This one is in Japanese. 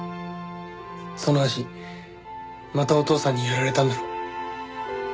その足またお父さんにやられたんだろ？